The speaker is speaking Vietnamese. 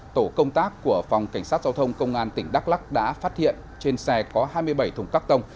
tổ công tác của phòng cảnh sát giao thông công an tỉnh đắk lắc đã phát hiện trên xe có hai mươi bảy thùng cắt tông